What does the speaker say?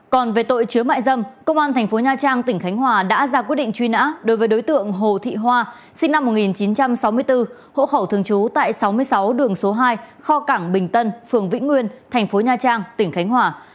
còn về tội chứa mại dâm công an thành phố nha trang tỉnh khánh hòa đã ra quyết định truy nã đối với đối tượng hồ thị hoa sinh năm một nghìn chín trăm sáu mươi bốn hộ khẩu thường trú tại sáu mươi sáu đường số hai kho cảng bình tân phường vĩnh nguyên thành phố nha trang tỉnh khánh hòa